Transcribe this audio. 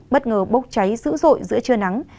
bất ngờ bốc cháy dữ dội giữa trưa nắng